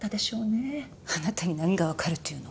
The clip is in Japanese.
あなたに何がわかるっていうの？